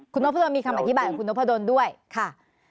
คุณนพดลมีคำอธิบายกับคุณนพดลด้วยค่ะ